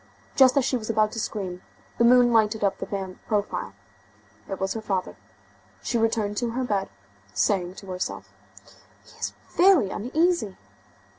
Just as she was about to scream, the moon lighted up the man's profile. It was her father. She returned to her bed, saying to herself: "He is very uneasy!"